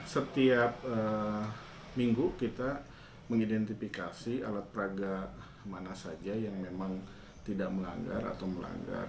setiap minggu kita mengidentifikasi alat peraga mana saja yang memang tidak melanggar atau melanggar